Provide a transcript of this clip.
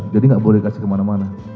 jadi tidak boleh diberikan kemana mana